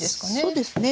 そうですね。